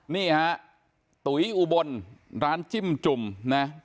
นี่ฮะตุ๋ยอุบลร้านจิ้มจุ่มนะ